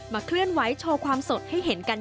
เคลื่อนไหวโชว์ความสดให้เห็นกัน